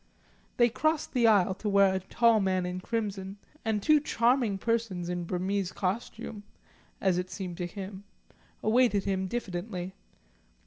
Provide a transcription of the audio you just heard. They crossed the aisle to where a tall man in crimson, and two charming persons in Burmese costume (as it seemed to him) awaited him diffidently.